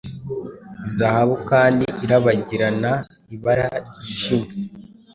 Zahabu kandi irabagiranaibara ryijimye